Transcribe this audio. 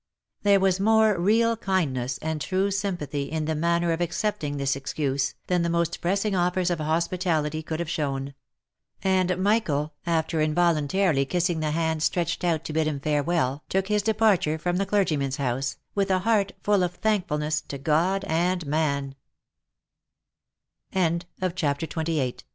There was more real kindness, and true sympathy, in the manner of accepting this excuse, than the most pressing offers of hospitality could have shown ; and Michael, after involuntarily kissing the hand stretched out to bid him farewell took his departure from the clergyman's house, with a heart full of thankfulnes